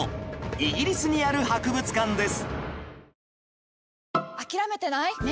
イギリスにある博物館です